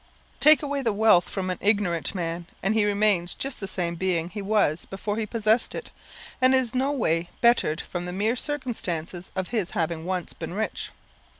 Take away the wealth from an ignorant man, and he remains just the same being he was before he possessed it, and is no way bettered from the mere circumstance of his having once been rich.